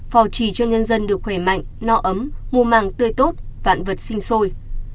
phò trì cho nhân dân được khỏe mạnh no ấm mùa màng tươi tốt vạn vật xinh xôi